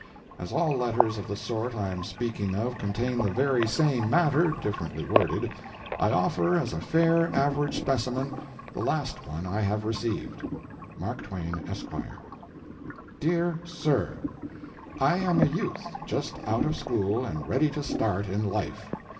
As all letters of the sort I am speaking of contain the very same matter, differently worded, I offer as a fair average specimen the last one I have received: MARK TWAIN, Esq. DEAR SIR: I am a youth, just out of school and ready to start in life.